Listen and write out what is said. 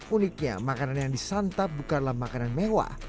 uniknya makanan yang disantap bukanlah makanan mewah